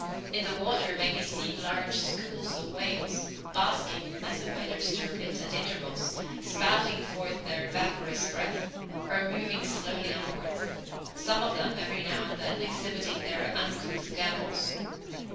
In the water may be seen large "schools" of whales, "basking" as the whalers term it at intervals, "spouting" forth their vaporous breath, or moving slowly onward, some of them, every now and then, exhibiting their uncouth gambols.